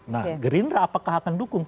nah gerindra apakah akan dukung